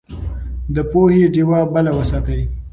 د پوهې ډيوه بله وساتئ.